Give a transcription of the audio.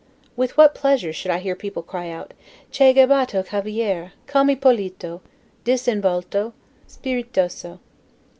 With what pleasure should I hear people cry out, 'Che garbato cavaliere, com' e pulito, disinvolto, spiritoso'!